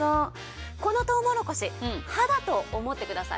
このトウモロコシ歯だと思ってくださいね。